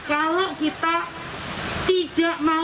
kalau kita tidak mau